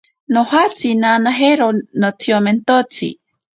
Nojatsi nanajero notsiomentotsi.